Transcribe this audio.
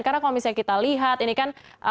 karena kalau misalnya kita lihat ini kan